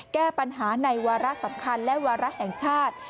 แก้ปัญหาในวาระสำคัญและวาระแห่งชาติ